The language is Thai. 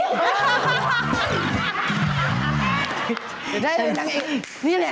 จะได้เป็นนางเอกหรือเก๋